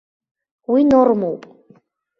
Уи нормоуп.